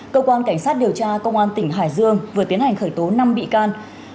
cơ quan cảnh sát điều tra công an tỉnh hải dương vừa tiến hành khởi tố năm bị can